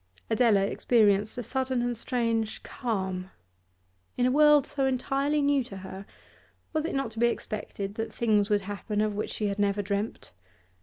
Adela experienced a sudden and strange calm; in a world so entirely new to her, was it not to be expected that things would happen of which she had never dreamt?